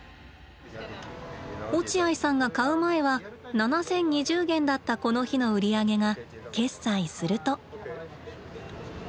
落合さんが買う前は７，０２０元だったこの日の売り上げが決済すると。